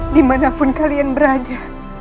dimana pun kalian berada